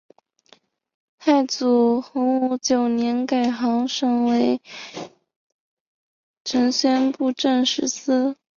太祖洪武九年改行省为承宣布政使司。